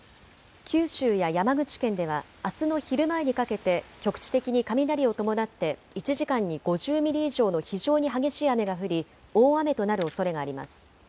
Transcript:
九州や山口県ではあすの昼前にかけて局地的に雷を伴って１時間に５０ミリ以上の非常に激しい雨が降り大雨となるおそれがあります。